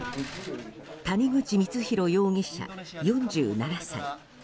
谷口光弘容疑者、４７歳。